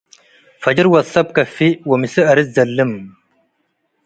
ፈጅር ወድ-ሰብ ከፍእ ወምሴ አርድ ዘልም።